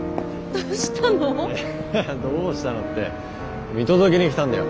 どうしたのって見届けに来たんだよ。